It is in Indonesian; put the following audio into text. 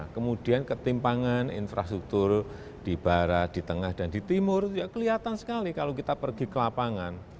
kemudian ketimpangan infrastruktur di barat di tengah dan di timur itu kelihatan sekali kalau kita pergi ke lapangan